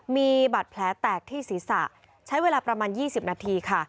มีบาดแผลแตกที่ศีรษะใช้เวลาประมาณ๒๐นาทีค่ะ